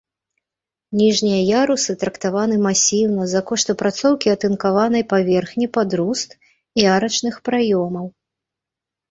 Ніжнія ярусы трактаваны масіўна за кошт апрацоўкі атынкаванай паверхні пад руст і арачных праёмаў.